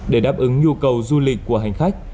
để đáp ứng nhu cầu du lịch của hành khách